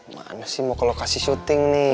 mana sih mau ke lokasi syuting nih